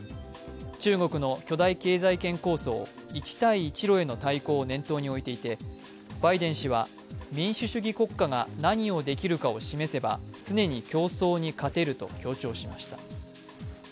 中国の巨大経済圏構想、一帯一路への対抗を念頭に置いていてバイデン氏は民主主義国家が何をできるかを示せば常に競争に勝てると強調しました。